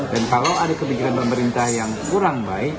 dan kalau ada kebijakan pemerintah yang kurang baik